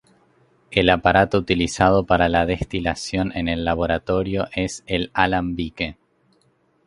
El aparato utilizado para la destilación en el laboratorio es el alambique.